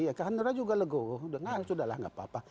ya kan mereka juga leguh udah nah sudah lah nggak apa apa